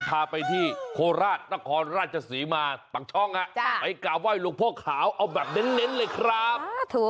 พาไปที่โคราชนครราชศรีมาปากช่องไปกราบไห้หลวงพ่อขาวเอาแบบเน้นเลยครับ